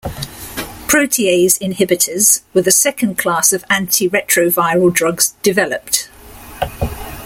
Protease inhibitors were the second class of antiretroviral drugs developed.